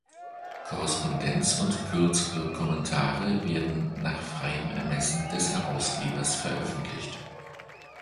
Korrespondenz und kürzere Kommentare werden nach freiem Ermessen des Herausgebers veröffentlicht.